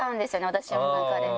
私の中で。